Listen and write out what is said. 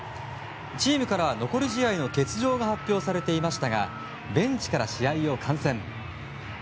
チームから残り試合の欠場が発表されていましたがベンチから試合を観戦。